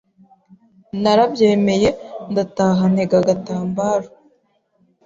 Narabyemeye ndataha ntega agatambaro